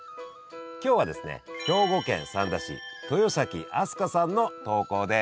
今日はですね兵庫県三田市豊崎あすかさんの投稿です。